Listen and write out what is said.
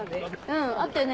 うん。あったよね。